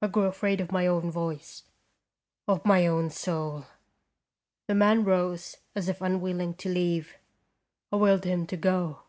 I grew afraid of my own voice, of my own soul. The man rose as if unwilling to leave. I willed him to go.